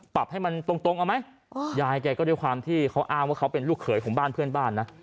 ปรับให้มันตรงตรงเอาไหมยายแกก็ด้วยความที่เขาอ้างว่าเขาเป็นลูกเขยของบ้านเพื่อนบ้านนะ